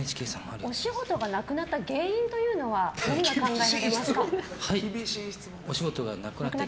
お仕事がなくなった原因というのは何が考えられますか。